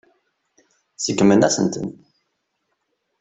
Seggmen-asen-tent.